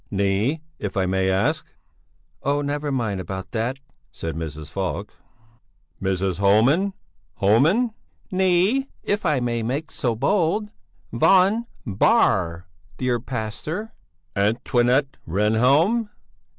'" "Née, if I may ask?" "Oh, never mind about that," said Mrs. Falk. "Evelyn Homan." "Née, if I may make so bold?" "Von Bähr, dear pastor." "Antoinette Rehnhjelm."